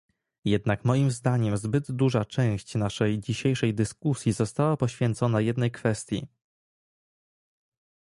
Jednak moim zdaniem zbyt duża część naszej dzisiejszej dyskusji została poświęcona jednej kwestii